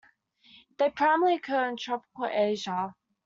They primarily occur in tropical Asia.